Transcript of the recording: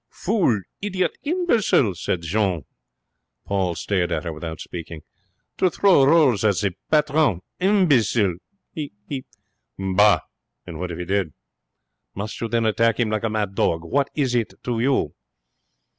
'Fool! Idiot! Imbecile!' said Jeanne. Paul stared at her without speaking. 'To throw rolls at the patron. Imbecile!' 'He ' began Paul. 'Bah! And what if he did? Must you then attack him like a mad dog? What is it to you?'